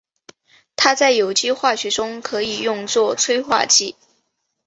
它在有机化学中可以用作催化剂。